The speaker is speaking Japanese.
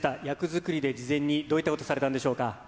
役作りで事前にどういったことされたんでしょうか。